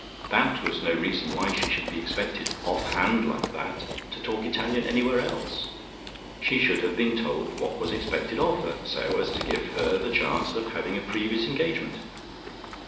That was no reason why she should be expected, off hand like that, to talk Italian anywhere else. She should have been told what was expected of her, so as to give her the chance of having a previous engagement.